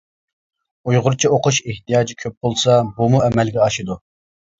ئۇيغۇرچە ئوقۇش ئېھتىياجى كۆپ بولسا بۇمۇ ئەمەلگە ئاشىدۇ.